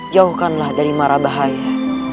jauhkanlah dari mara bahaya